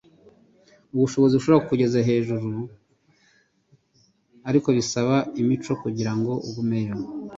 Ubushobozi bushobora kukugeza hejuru, ariko bisaba imico kugirango ugumeyo.”